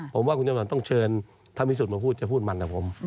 ผมว่าคุณจำฝันต้องเชิญท่านวิสุทธิ์มาพูดจะพูดมันนะผม